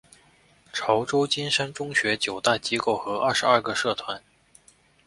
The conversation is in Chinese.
潮州金山中学九大机构和二十二个社团。